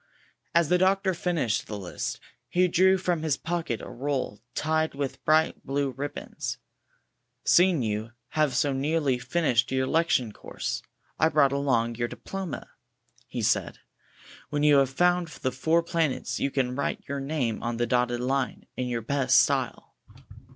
As the doctor finished the list, he drew from his pocket a roll tied with bright blue rib bons. ''Seeing you have so nearly finished your lectui'e course, I brought along your diploma," he said. ''When you have found the four planets, you can write your name on the dotted line, in your best style."